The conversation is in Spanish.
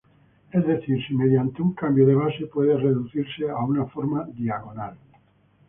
Es decir, si mediante un cambio de base puede reducirse a una forma diagonal.